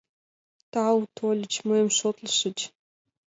Тау, тольыч, мыйым шотлышыч...